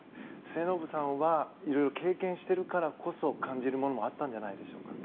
末延さんは色々経験しているからこそ感じるものもあったんじゃないでしょうか。